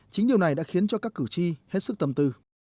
chính điều này đã khiến cho các cử tri hết sức tâm tư